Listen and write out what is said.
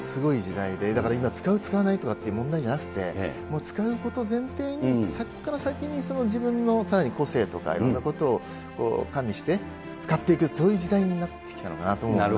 いやぁ、そのＡＩも、本当に今、すごい時代で、だから、今、使う、使わないとかいう問題じゃなくて、使うこと前提に、その先にその自分のさらに個性とか、いろんなことを加味して、使っていく、そういう時代になってきたのかなと思いますね。